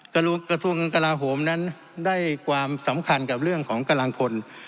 กระทรวงกลาโหมนั้นได้ความสำคัญกับเรื่องของกำลังพล